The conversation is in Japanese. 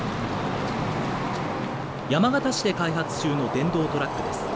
山形市で開発中の電動トラックです。